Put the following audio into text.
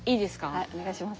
はいお願いします。